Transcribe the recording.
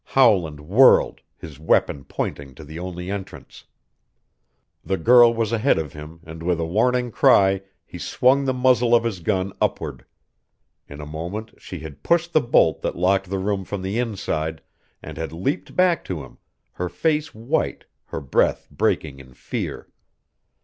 Howland whirled, his weapon pointing to the only entrance. The girl was ahead of him and with a warning cry he swung the muzzle of his gun upward. In a moment she had pushed the bolt that locked the room from the inside, and had leaped back to him, her face white, her breath breaking in fear.